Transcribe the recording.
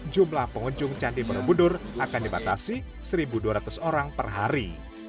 jumlah pengunjung candi borobudur akan dibatasi satu dua ratus orang per hari